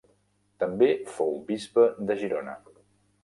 També fou bisbe de Girona.